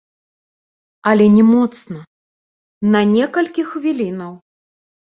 Але не моцна, на некалькі хвілінаў.